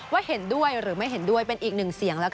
เห็นด้วยหรือไม่เห็นด้วยเป็นอีกหนึ่งเสียง